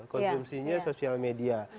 konsumsinya sosial media